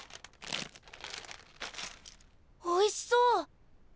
おいしそう！